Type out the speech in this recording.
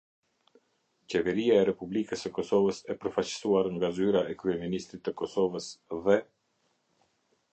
Qeveria e Republikës së Kosovës, e përfaqësuar nga Zyra € Kryeministrit të Kosovës, dhe.